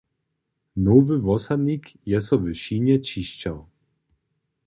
Nowy Wosadnik je so w Chinje ćišćał.